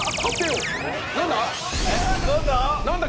何だ？